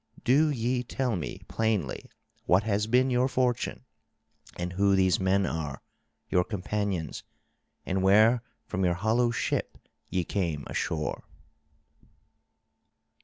Do ye tell me plainly what has been your fortune, and who these men are, your companions, and where from your hollow ship ye came ashore."